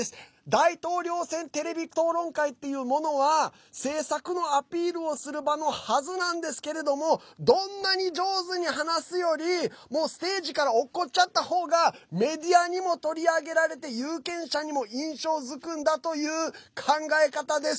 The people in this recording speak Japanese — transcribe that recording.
大統領選テレビ討論会っていうものは政策のアピールをする場のはずなんですけれどもどんなに上手に話すよりステージから落っこちゃった方がメディアにも取り上げられて有権者にも印象づくんだという考え方です。